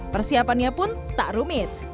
persiapannya pun tak rumit